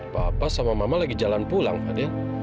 papa sama mama lagi jalan pulang tadi